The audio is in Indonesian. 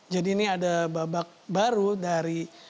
jadi ini ada babak baru dari